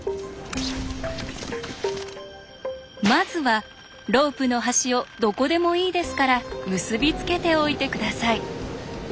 まずはロープの端をどこでもいいですから結び付けておいて下さい。